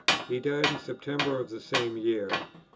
He died in September of the same year.